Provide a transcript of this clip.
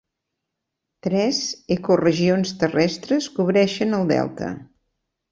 Tres ecoregions terrestres cobreixen el delta.